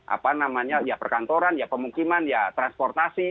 apa namanya ya perkantoran ya pemukiman ya transportasi